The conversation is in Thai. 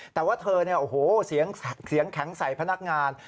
แต่ว่าเธอเสียงแข็งใส่พนักงาน